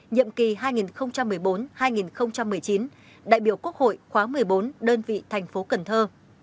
nhiệm kỳ hai nghìn một mươi bốn hai nghìn một mươi chín đại biểu quốc hội khóa một mươi bốn đơn vị thành phố cần thơ